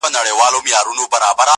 چي وخت د ښکار سي، تازي اسهال سي.